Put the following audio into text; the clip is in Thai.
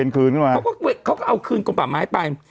เคยเอาคืนกรมป่าไม้ไป